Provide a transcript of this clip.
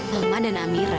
mama dan amira